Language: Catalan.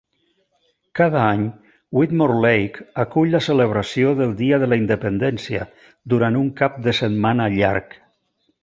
Cada any, Whitmore Lake acull la celebració del Dia de la Independència, durant un cap de setmana llarg.